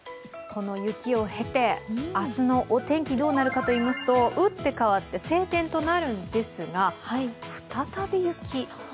この雪を経て、明日のお天気どうなるかといいますと、打って変わって晴天となるんですが、再び雪？